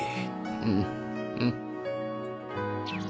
うんうん。